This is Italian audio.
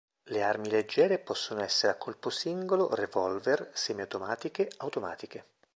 Le armi leggere possono essere a colpo singolo, revolver, semi-automatiche, automatiche.